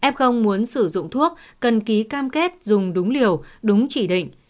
f muốn sử dụng thuốc cần ký cam kết dùng đúng liều đúng chỉ định